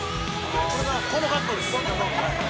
「この格好です」